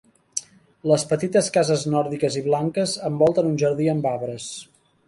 Les petites cases nòrdiques i blanques envolten un jardí amb arbres.